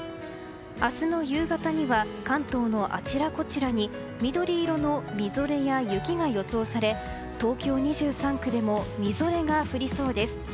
明日の夕方には関東のあちらこちらに緑色の、みぞれや雪が予想され東京２３区でもみぞれが降りそうです。